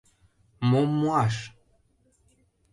— Мом муаш?